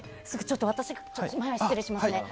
前を失礼しますね。